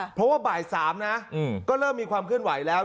เพราะว่าบ่าย๓นะก็เริ่มมีความเคลื่อนไหวแล้ว